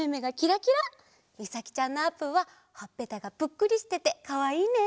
みさきちゃんのあーぷんはほっぺたがぷっくりしててかわいいね。